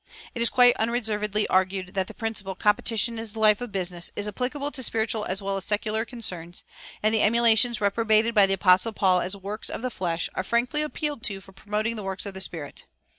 It is quite unreservedly argued that the principle, "Competition is the life of business," is applicable to spiritual as well as secular concerns; and the "emulations" reprobated by the Apostle Paul as "works of the flesh" are frankly appealed to for promoting the works of the spirit.